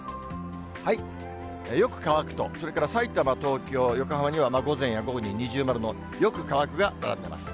よく乾くと、それからさいたま、東京、横浜には、午前や午後に二重丸のよく乾くが並んでます。